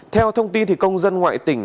theo thông tin thì công dân ngoại tỉnh